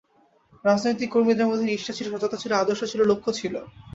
রাজনৈতিক কর্মীদের মধ্যে নিষ্ঠা ছিল, সততা ছিল, আদর্শ ছিল, লক্ষ্য ছিল।